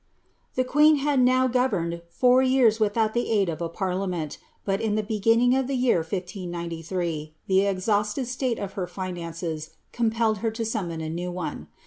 The queen had now governed four years without the aid of a parlia nent, but in the beginning of the year 1593 the exhausted state of her Nuances compelled her to summon a new one.